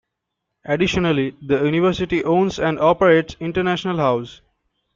Additionally, the University owns and operates International House.